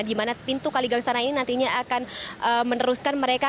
di mana pintu kaligawang sana ini nantinya akan meneruskan mereka